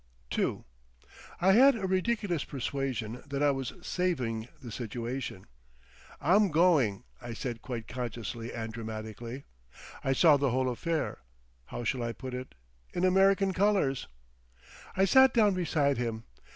II I had a ridiculous persuasion that I was "saving the situation." "I'm going," I said quite consciously and dramatically. I saw the whole affair—how shall I put it?—in American colours. I sat down beside him.